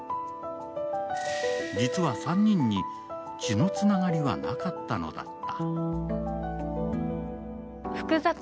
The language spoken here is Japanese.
実は３人に血のつながりはなかったのだった。